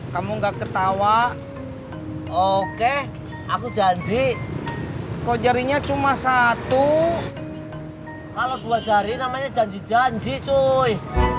kamu gak ketawa oke aku janji kok nyerinya cuma satu kalau dua jari namanya janji janji cuy